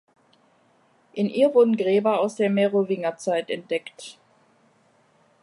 In ihr wurden Gräber aus der Merowingerzeit entdeckt.